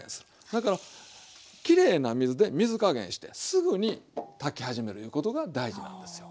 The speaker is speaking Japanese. だからきれいな水で水加減してすぐに炊き始めるいうことが大事なんですよ。